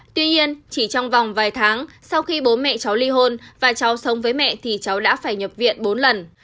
tuy nhiên chỉ trong vòng vài tháng sau khi bố mẹ cháu ly hôn và cháu sống với mẹ thì cháu đã phải nhập viện bốn lần